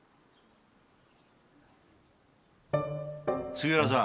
杉浦さん